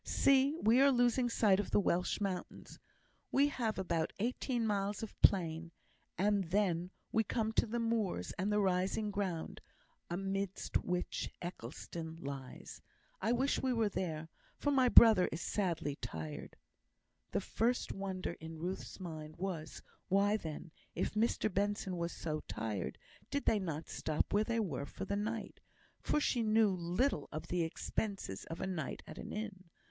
"See! we are losing sight of the Welsh mountains. We have about eighteen miles of plain, and then we come to the moors and the rising ground, amidst which Eccleston lies. I wish we were there, for my brother is sadly tired." The first wonder in Ruth's mind was, why then, if Mr Benson were so tired, did they not stop where they were for the night; for she knew little of the expenses of a night at an inn.